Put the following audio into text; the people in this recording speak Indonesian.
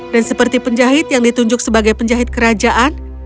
dan seperti penjahit yang ditunjuk sebagai penjahit kerajaan